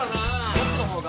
僕の方が。